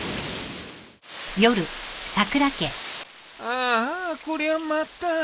あーあこりゃまた。